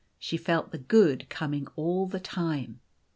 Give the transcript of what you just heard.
She felt the good coming all the time.